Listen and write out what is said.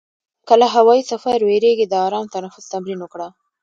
که له هوایي سفر وېرېږې، د آرام تنفس تمرین وکړه.